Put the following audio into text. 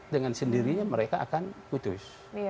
dengan sendirinya mereka akan putus